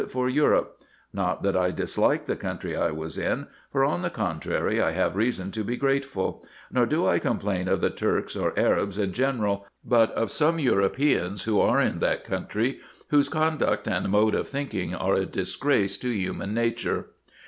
for Europe : not that I disliked the country I was in, for, on the contrary, I have reason to be grateful ; nor do I complain of the Turks or Arabs in general, but of some Europeans who are in that country, whose conduct and mode of thinking are a disgrace to human nature.